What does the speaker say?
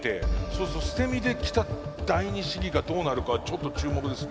そうすると捨て身できた第二試技がどうなるかはちょっと注目ですね。